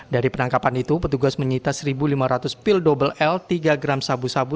dari penangkapan itu petugas menyita satu lima ratus pil double l tiga gram sabu sabu